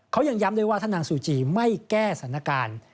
เขายังย้ำด้วยว่าถ้านางซูจีไม่แก้สถานการณ์